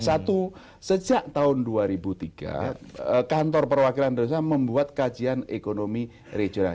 satu sejak tahun dua ribu tiga kantor perwakilan indonesia membuat kajian ekonomi regional